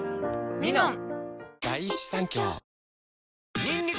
「ミノン」